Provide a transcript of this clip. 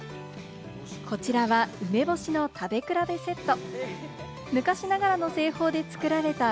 こちらは梅干しの食べ比べセット。